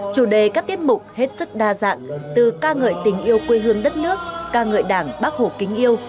chủ đề các tiết mục hết sức đa dạng từ ca ngợi tình yêu quê hương đất nước ca ngợi đảng bác hồ kính yêu